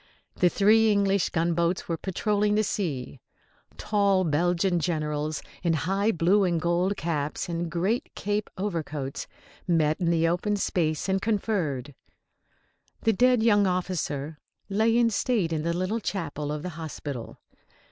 The three English gunboats were patrolling the sea. Tall Belgian generals, in high blue and gold caps and great cape overcoats, met in the open space and conferred. The dead young officer lay in state in the little chapel of the hospital.